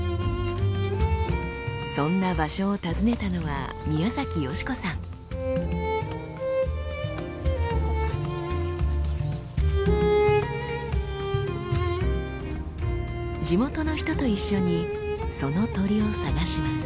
そんな場所を訪ねたのは地元の人と一緒にその鳥を探します。